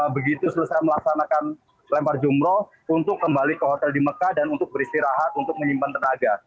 begitu selesai melaksanakan lempar jumroh untuk kembali ke hotel di mekah dan untuk beristirahat untuk menyimpan tenaga